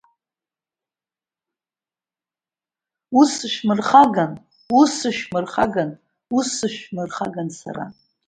Ус сышәмырхаган, ус сышәмырхаган, ус сышәмырхаган сара!